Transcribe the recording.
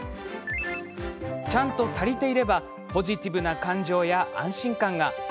ちゃんと足りていればポジティブな感情や安心感が。